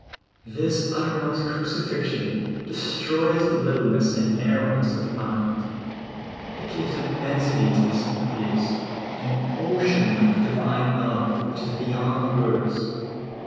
This uttermost crucifixion destroys the littleness and narrowness of the mind ; it gives an immensity to the sympathies, and an ocean like divine love, which is beyond words.